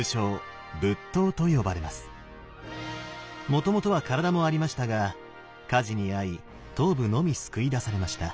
もともとは体もありましたが火事に遭い頭部のみ救い出されました。